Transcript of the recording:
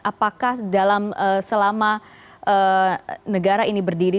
apakah dalam selama negara ini berdiri